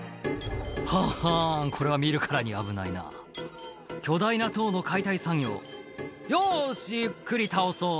ハハンこれは見るからに危ないな巨大な塔の解体作業「よしゆっくり倒そう」